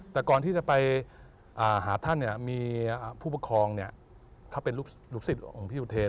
แต่ก่อนที่จะไปหาท่านมีผู้ปกครองถ้าเป็นลูกศิษย์ของพี่อุเทร